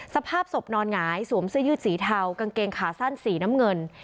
สภาพศพนอนหงายสวมเสื้อยืดสีเทากางเกงขาสั้นสีน้ำเงิน